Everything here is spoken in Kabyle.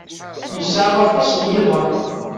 Yesɛa aṭas n yiḍan.